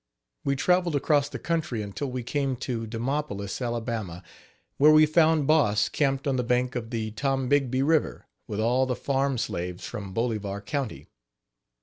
We traveled across the country until we came to Demopolis, Alabama, where we found Boss camped on the bank of the Tombigbee river with all the farm slaves from Bolivar county.